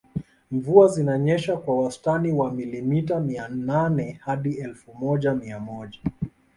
Mvua zinanyesha kwa wastani wa milimita mia nane hadi elfu moja mia moja